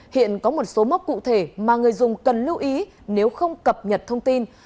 hiện có một số mốc cụ thể mà người dùng cần lưu ý nếu không cập nhật thông tin